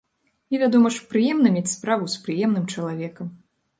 І, вядома ж, прыемна мець справу з прыемным чалавекам.